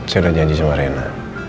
saya udah janji sama rena